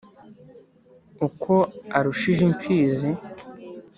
uko arushije imfizi